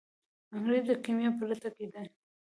انګریز د کیمیا په لټه کې دی.